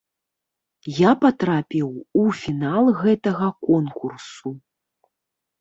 Я патрапіў у фінал гэтага конкурсу.